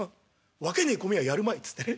分けねえ米はやるまいっつって。